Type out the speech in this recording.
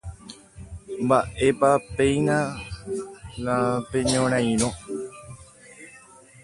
¡Mba'épapeína la peñorairõ!